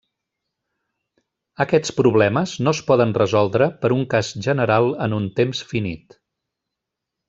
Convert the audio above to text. Aquests problemes no es poden resoldre per un cas general en un temps finit.